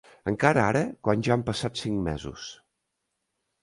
Encara ara, quan ja han passat cinc mesos